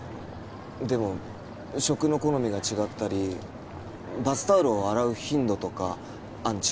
でも食の好みが違ったりバスタオルを洗う頻度とかアンチ